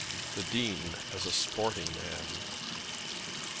THE DEAN AS A SPORTING MAN.